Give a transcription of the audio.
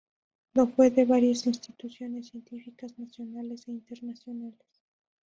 Lo fue de varias instituciones científicas nacionales, e internacionales.